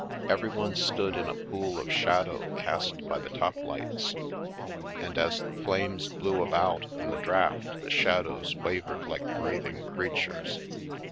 Everyone stood in a pool of shadow cast by the top lights, and as the flames blew about in the draught the shadows wavered like breathing crea tures.